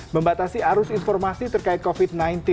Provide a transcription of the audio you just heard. membatasi arus informasi terkait covid sembilan belas